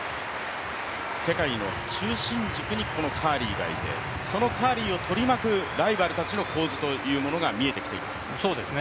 世界の中心軸に、このカーリーがいてそのカーリーを取り巻くライバルたちの構図というものが見えてきています。